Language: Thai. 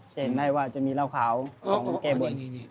จะเห็นได้ว่าจะมีเหล้าขาวของแก้บน